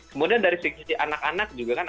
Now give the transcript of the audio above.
kemudian dari sisi anak anak juga kan